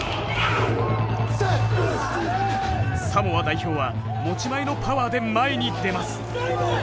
サモア代表は持ち前のパワーで前に出ます。